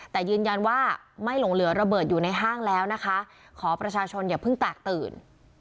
แต่ยืนยันว่าไม่หลงเหลือระเบิดอยู่ในห้างแล้วนะคะขอประชาชนอย่าเพิ่งแตกตื่น